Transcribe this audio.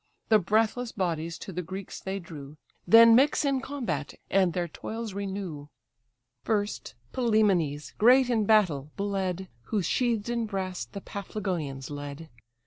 The breathless bodies to the Greeks they drew, Then mix in combat, and their toils renew. First, Pylæmenes, great in battle, bled, Who sheathed in brass the Paphlagonians led.